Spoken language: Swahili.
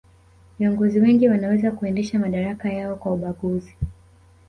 viongozi wengi wanaweza kuendesha madaraka yao kwa ubaguzi